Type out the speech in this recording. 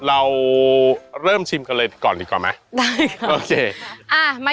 เราเริ่มชิมกะเลดก่อนดีกว่ามั้ยได้ครับโอเค